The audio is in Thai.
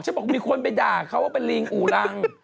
บอกมีคนไปด่าเขาว่าเป็นลิงอู่รัง